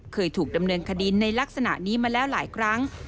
เคยถูกดำเนินคดีในลักษณะนี้มาแล้วหลายครั้ง